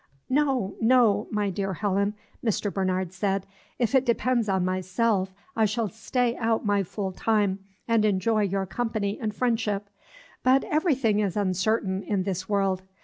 "No, no, my dear Helen," Mr. Bernard said, "if it depends on myself, I shall stay out my full time, and enjoy your company and friendship. But everything is uncertain in this world.